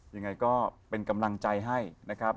ยังไงก็เป็นกำลังใจให้นะครับ